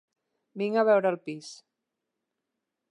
Vinc a veure el pis.